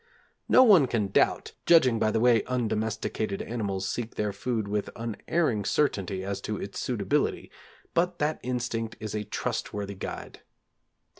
No one can doubt, judging by the way undomesticated animals seek their food with unerring certainty as to its suitability, but that instinct is a trustworthy guide.